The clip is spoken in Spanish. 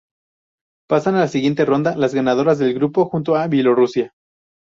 Pasan a la siguiente ronda las ganadoras de grupo, junto a Bielorrusia.